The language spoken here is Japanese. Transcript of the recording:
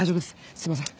すみません。